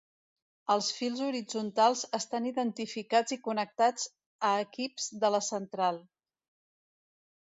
Els fils horitzontals estan identificats i connectats a equips de la central.